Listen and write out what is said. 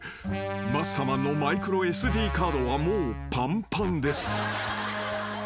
［マッサマンのマイクロＳＤカードはもうぱんぱんです］